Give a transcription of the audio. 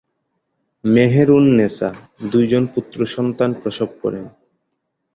মেহের উন নেসা দুইজন পুত্র সন্তান প্রসব করেন।